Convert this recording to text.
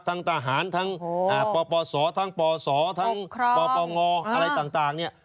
ทั้งทหารทั้งปสปทั้งปงอะไรต่าง